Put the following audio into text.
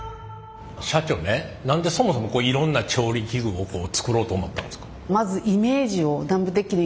社長ね何でそもそもいろんな調理器具を作ろうと思ったんですか？